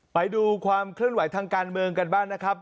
ไปดูความเคลื่อนไหวทางการเมืองกันบ้างนะครับ